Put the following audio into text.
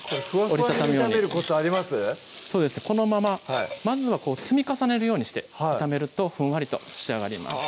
折り畳むようにこのまままずは積み重ねるようにして炒めるとふんわりと仕上がります